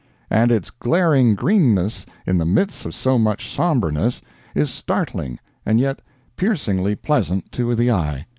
And its glaring greenness in the midst of so much sombreness is startling and yet piercingly pleasant to the eye.